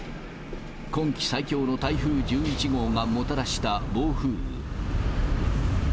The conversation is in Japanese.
今季最強の台風１１号がもたらした暴風雨。